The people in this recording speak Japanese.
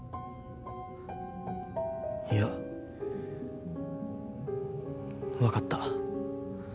いやわかった。